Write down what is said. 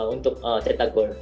untuk menangkan gol